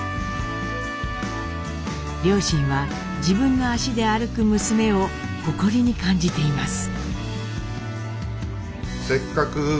両親は自分の足で歩く娘を誇りに感じています。